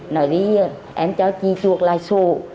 nói với em cho chị chuộc lại số